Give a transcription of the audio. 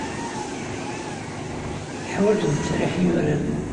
Teḥwajeḍ ttesriḥ yuran.